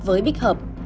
với bích hợp